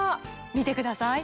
見てください